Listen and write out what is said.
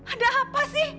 ada apa sih